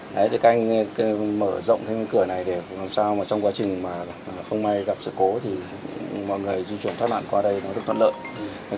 đấy thì các anh mở rộng cái cửa này để làm sao mà trong quá trình mà không may gặp sự cố thì mọi người di chuyển thoát nạn qua đây nó được thuận lợi